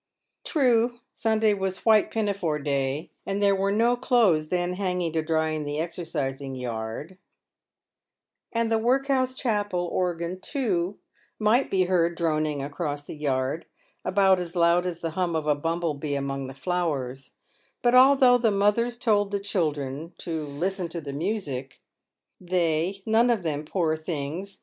True, Sunday was white pinafore day, and there were m PAVED WITH GOLD. no clothes then hanging to dry in the exercising yard; and the workhouse chapel organ, too, might be* heard droning across the yard, about as loud as the hum of a bumble bee among the flowers : but although the mothers told the children to " listen to the music," they none of them, poor things